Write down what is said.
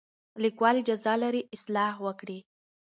لیکوال اجازه لري اصلاح وکړي.